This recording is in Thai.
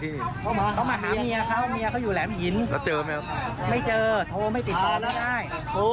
โดนเมียทิ้งก็เลยนั่งร้องไห้เลย